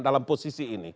dalam posisi ini